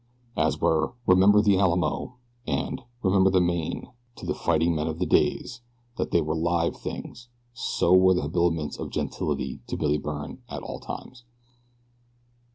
As were "Remember the Alamo," and "Remember the Maine" to the fighting men of the days that they were live things so were the habiliments of gentility to Billy Byrne at all times.